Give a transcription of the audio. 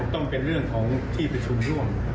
ต้องเป็นเรื่องของที่ประชุมร่วม